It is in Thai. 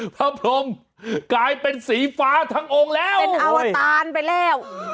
พรมกลายเป็นสีฟ้าทั้งองค์แล้วเป็นอวตารไปแล้ว